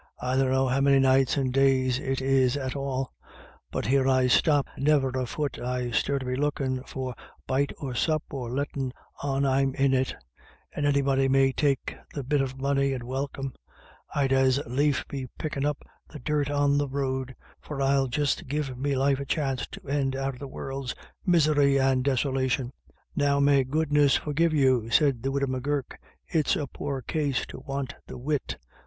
I dunno how many nights and days it is at all — but 313 IRISH IDYLLS. here Til stop ; never a fut I'll stir to be lookin' for bite or sup, or lettin' on I'm in it — and anybody may take the bit of money and welcome ; I'd as lief be pickin' up the dirt on the road — for I'll just give me life a chanst to end out of the world's misery and disolation." "Now may goodness forgive you," said the widow M'Gurk, " it's a poor case to want the wit.